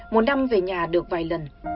một năm về nhà được vài lần